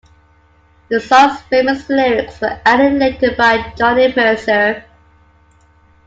The song's famous lyrics were added later by Johnny Mercer.